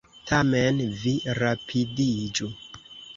Tamen, vi rapidiĝu!